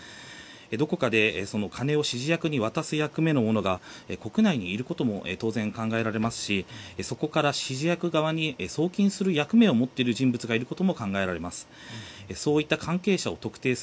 どこかで金を指示役に渡す役目の者が国内にいることも当然考えられますしそこから指示役側に送金する役目を持っている人物がいることも考えられます。